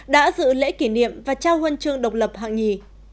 đã dự lễ kỷ niệm và trao huân chương độc lập hạng nhì